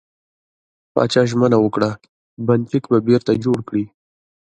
پاچا ژمنه وکړه، بند چک به بېرته جوړ کړي .